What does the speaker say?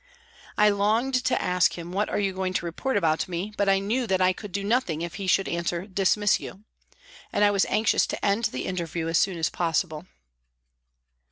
I longed to ask him " What are you going to report about me ?" but I knew that I could do nothing if he should answer " Dismiss you," and I was anxious to end the interview as soon as possible.